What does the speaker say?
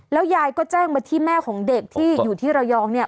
แล้วยายก็แจ้งมาที่แม่ของเด็กที่อยู่ที่ระยอง